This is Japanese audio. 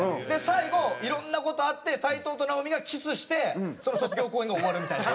最後いろんな事あって斉藤と直美がキスしてその卒業公演が終わるみたいな。